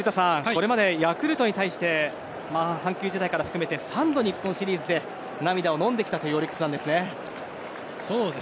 これまでヤクルトに対して阪急時代から含めて３度、日本シリーズで涙をのんできたというオリックスなんですね。